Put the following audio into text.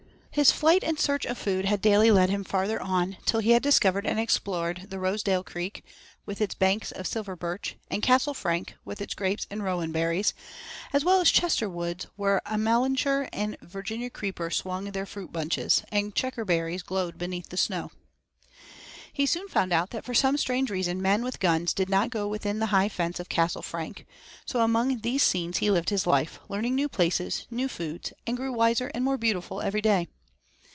His flight in search of food had daily led him farther on, till he had discovered and explored the Rosedale Creek, with its banks of silver birch, and Castle Frank, with its grapes and rowan berries, as well as Chester woods, where amelanchier and Virginia creeper swung their fruit bunches, and checkerberries glowed beneath the snow. He soon found out that for some strange reason men with guns did not go within the high fence of Castle Frank. So among these scenes he lived his life, learning new places, new foods, and grew wiser and more beautiful every day.